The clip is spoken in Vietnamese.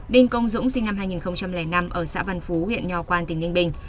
đinh công dũng sinh năm hai nghìn năm ở xã văn phú huyện nho quan tỉnh ninh bình